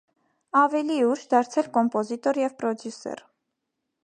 Ավելի ուշ, դարձել կոմպոզիտոր և պրոդյուսեր։